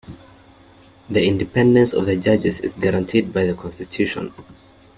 The independence of the judges is guaranteed by the constitution.